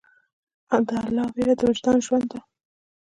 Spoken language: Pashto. د الله ویره د وجدان ژوند ده.